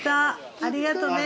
ありがとうね。